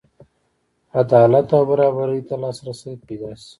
عدالت او برابرۍ ته لاسرسی پیدا شي.